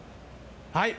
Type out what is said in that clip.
はい。